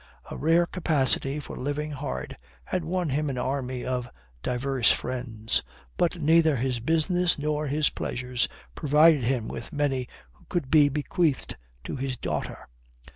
A rare capacity for living hard had won him an army of diverse friends. But neither his business nor his pleasures provided him with many who could be bequeathed to his daughter.